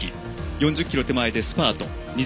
４０ｋｍ手前でスパート。